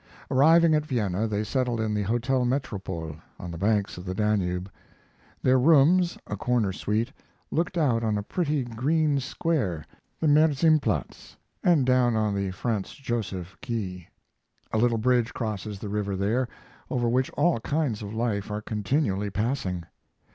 Arriving at Vienna, they settled in the Hotel Metropole, on the banks of the Danube. Their rooms, a corner suite, looked out on a pretty green square, the Merzimplatz, and down on the Franz Josef quay. A little bridge crosses the river there, over which all kinds of life are continually passing.